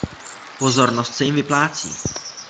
Pozornost se jim vyplácí.